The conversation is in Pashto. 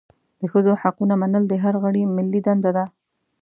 د ښځو حقونه منل د هر غړي ملي دنده ده.